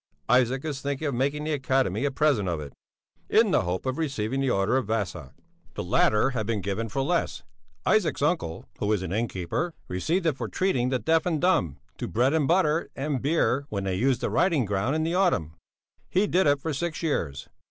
Isaac is thinking of making the Academy a present of it, in the hope of receiving the order of Vasa. The latter has been given for less. Isaac's uncle, who is an innkeeper, received it for treating the deaf and dumb to bread and butter and beer when they used the riding ground in the autumn. He did it for six years.